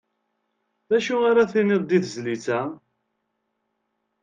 D acu ara tiniḍ di tezlit-a?